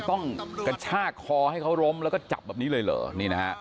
กระชากคอให้เขาล้มแล้วก็จับแบบนี้เลยเหรอนี่นะฮะ